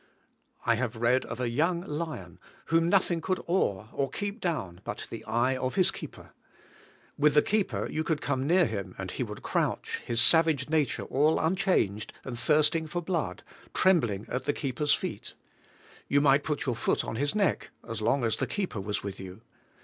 I have read of a young lion whom nothing could awe or keep down but the eye of his keeper. With the keeper you could come near him, and he would crouch, his savage nature all unchanged, and thirst ing for blood, — trembling at the keeper's feet. You might put your foot on his neck, as long as the keeper was with you.